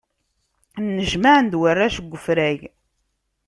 Nnejmaɛen-d warrac deg ufrag.